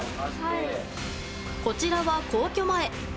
こちらは皇居前。